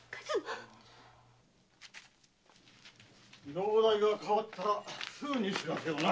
容体が変わったらすぐに知らせをな。